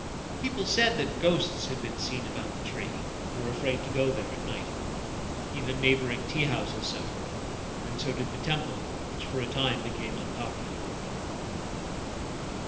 People said that ghosts had been seen about the tree, and were afraid to go there at night. Even neighbouring tea houses suffered, and so did the temple, which for a time became unpopular.